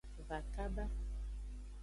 Va kaba.